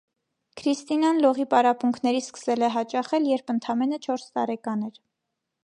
Քրիստինան լողի պարապմունքների սկսել է հաճախել, երբ ընդամենը չորս տարեկան էր։